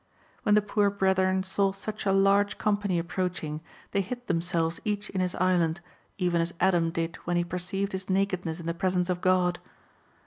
When the poor brethren saw such a large company approaching, they hid themselves each in his island, even as Adam did when he perceived his nakedness in the presence of God.